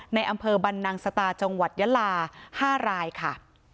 ในอำเภอบรรนังสตาจังหวัดยะลา๕รายค่ะ